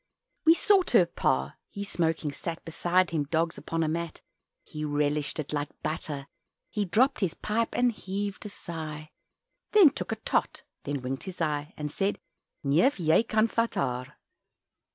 We sought her Pa he smoking sat, Beside him dogs upon a mat; He relished it, like butter He dropped his pipe and heaved a sigh, Then took a "tot" then winked his eye And said, "Neef jij kan vat haar."